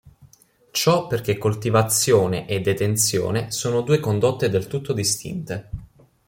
Ciò perché coltivazione e detenzione sono due condotte del tutto distinte.